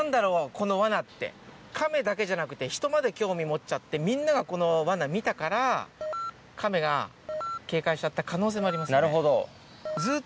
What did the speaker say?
このワナってカメだけじゃなくて人まで興味持っちゃってみんながこのワナ見たからカメが警戒しちゃった可能性もありますね。